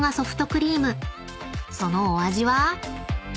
［そのお味は？］